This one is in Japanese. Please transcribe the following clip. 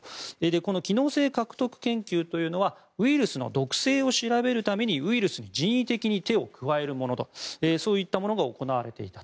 この機能性獲得研究というのはウイルスの毒性を調べるためにウイルスに人為的に手を加える、そういったものが行われていた。